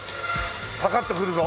パカッとくるぞ。